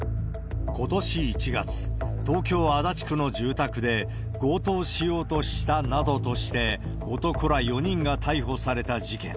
ことし１月、東京・足立区の住宅で強盗しようとしたなどとして、男ら４人が逮捕された事件。